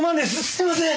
すみません！